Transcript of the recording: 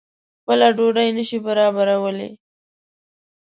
خپل ډوډۍ نه شي برابرولای.